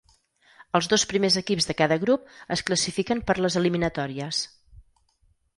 Els dos primers equips de cada grup es classifiquen per les eliminatòries.